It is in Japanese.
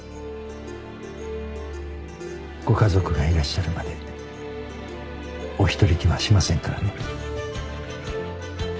ご家族がいらっしゃるまでお一人にはしませんからね。